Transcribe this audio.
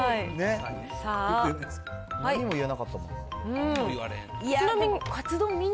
何にも言えなかったもんな。